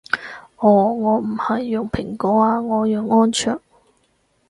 哦我唔係用蘋果啊我用安卓